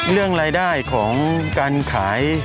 เรื่องรายได้ของการขาย